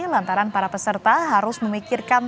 lantaran para peserta harus memikirkan